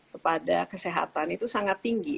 kepada kesehatan itu sangat tinggi